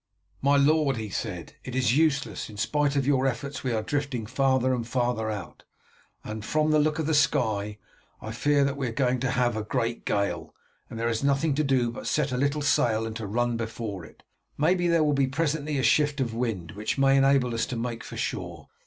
"My lord," he said, "it is useless. In spite of your efforts we are drifting farther and farther out, and from the look of the sky I fear that we are going to have a great gale, and there is nothing to do but to set a little sail and to run before it. Maybe there will presently be a shift of wind, which may enable us to make for shore.